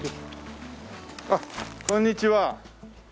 あっこんにちは。